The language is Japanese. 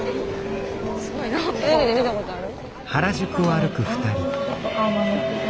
すごい。テレビで見たことある？